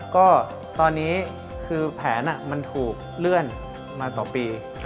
ก็ตอนนี้คือแผนมันถูกเลื่อนมาต่อปี